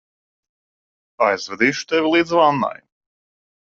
Aizvedīšu tevi līdz vannai.